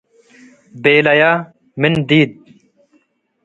” ቤለየ ምን - ዲድ።